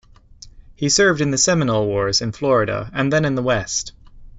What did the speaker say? He served in the Seminole Wars in Florida and then in the West.